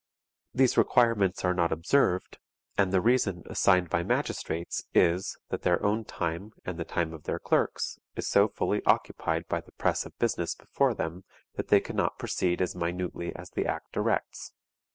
These requirements are not observed, and the reason assigned by magistrates is, that their own time, and the time of their clerks, is so fully occupied by the press of business before them that they can not proceed as minutely as the act directs.